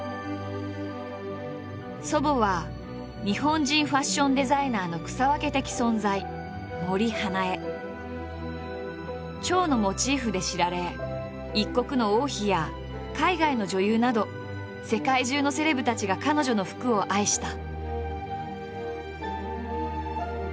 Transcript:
祖母は日本人ファッションデザイナーの草分け的存在蝶のモチーフで知られ一国の王妃や海外の女優など世界中のセレブたちが彼女の服を愛した。